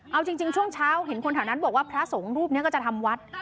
เอาจริงช่วงเช้าเห็นคนแถวนั้นบอกว่าพระสงฆ์รูปนี้ก็จะทำวัด